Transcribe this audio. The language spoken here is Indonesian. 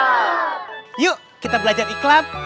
mas pasti pada saat terbang